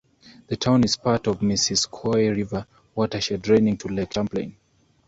The town is part of the Missisquoi River watershed, draining to Lake Champlain.